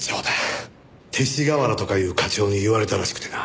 勅使河原とかいう課長に言われたらしくてな。